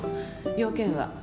用件は？